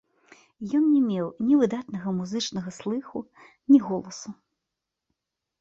Ён не меў ні выдатнага музычнага слыху, ні голасу.